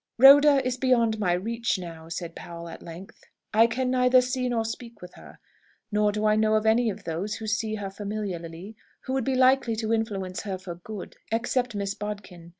"Rhoda is beyond my reach now," said Powell at length. "I can neither see nor speak with her. Nor do I know of any of those who see her familiarly who would be likely to influence her for good, except Miss Bodkin.